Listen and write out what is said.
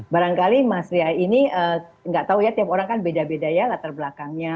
barangkali mas ria ini nggak tahu ya tiap orang kan beda beda ya latar belakangnya